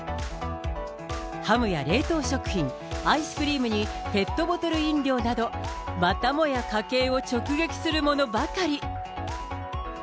ハムや冷凍食品、アイスクリームにペットボトル飲料など、またもや家計を直撃するものばかり。